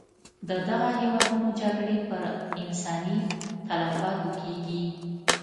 د دغه هېوادونو جګړې پر انساني تلفاتو کېږي.